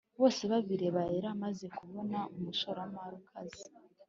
bosebabireba yari amaze kubona umushoramari ukaze